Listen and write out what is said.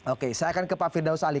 oke saya akan ke pak firdaus ali